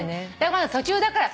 まだ途中だから。